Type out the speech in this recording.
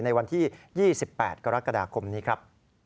ในวันที่๒๘กรกฎาคมนี้ครับ